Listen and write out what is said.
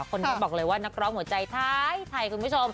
คนนี้บอกเลยว่านักร้องหัวใจท้ายไทยคุณผู้ชม